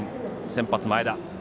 先発、前田。